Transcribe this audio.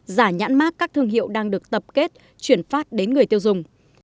giả nhãn mát các thương hiệu đang được tập kết chuyển phát đến người tiêu dùng